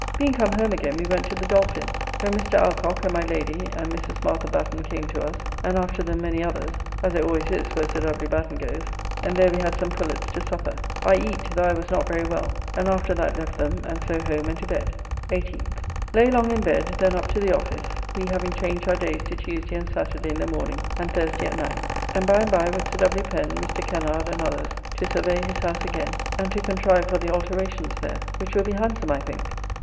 Being come home again we went to the Dolphin, where Mr. Alcock and my Lady and Mrs. Martha Batten came to us, and after them many others (as it always is where Sir W. Batten goes), and there we had some pullets to supper. I eat though I was not very well, and after that left them, and so home and to bed. 18th. Lay long in bed, then up to the office (we having changed our days to Tuesday and Saturday in the morning and Thursday at night), and by and by with Sir W. Pen, Mr. Kennard, and others to survey his house again, and to contrive for the alterations there, which will be handsome I think.